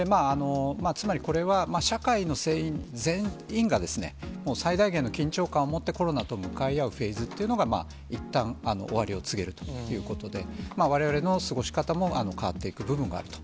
つまりこれは、社会の全員が、もう最大限の緊張感を持って、コロナと向かい合うフェーズというのはいったん終わりを告げるということで、われわれの過ごし方も変わっていく部分があると。